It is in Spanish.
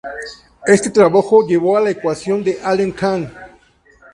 Este trabajo llevo a la ecuación de Allen–Cahn.